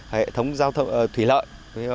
hệ thống thủy lợi